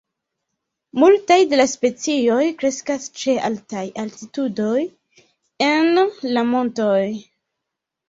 Multaj de la specioj kreskas ĉe altaj altitudoj en la montoj.